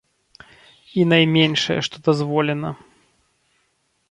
І найменшае, што дазволена.